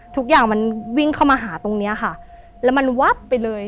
ทุกอย่างมันวิ่งเข้ามาหาตรงเนี้ยค่ะแล้วมันวับไปเลย